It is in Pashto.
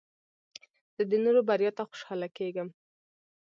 زه د نورو بریا ته خوشحاله کېږم.